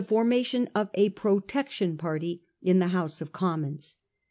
formation of a Protection party in the House of Commons.